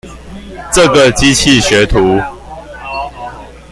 這個機器學徒